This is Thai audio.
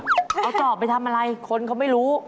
เอาจอบไปทำอะไรคนเขาไม่รู้